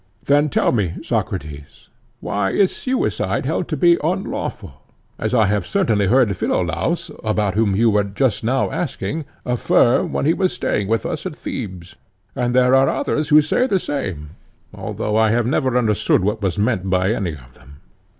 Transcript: Then tell me, Socrates, why is suicide held to be unlawful? as I have certainly heard Philolaus, about whom you were just now asking, affirm when he was staying with us at Thebes: and there are others who say the same, although I have never understood what was meant by any of them.